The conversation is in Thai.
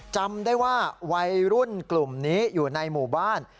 จำได้ว่าวัยรุ่นกลุ่มนี้อยู่ในหมู่บ้าน